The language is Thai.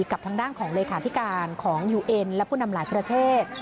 กับทางด้านของเลขาธิการของยูเอ็นและผู้นำหลายประเทศ